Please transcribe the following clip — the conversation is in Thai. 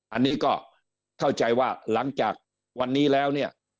อันนี้ก็เข้าใจว่าหลังจากวันนี้แล้วเนี่ย